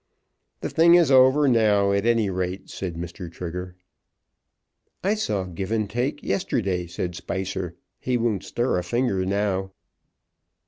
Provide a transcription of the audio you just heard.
"The thing is over now, at any rate," said Mr. Trigger. "I saw Givantake yesterday," said Spicer. "He won't stir a finger now."